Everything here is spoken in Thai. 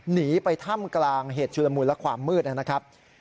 หนีไปถ้ำกลางเหตุชุลมูลและความมืดนะครับ